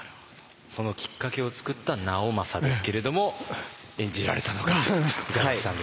そのきっかけを作った直政ですけれども演じられたのが板垣さんですね。